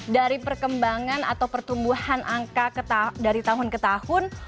dari perkembangan atau pertumbuhan angka dari tahun ke tahun